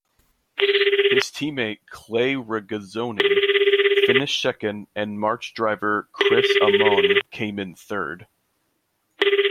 His teammate Clay Regazzoni finished second and March driver Chris Amon came in third.